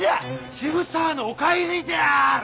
渋沢のお帰りである！